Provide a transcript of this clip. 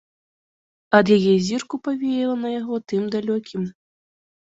Ад яе зірку павеяла на яго тым далёкім.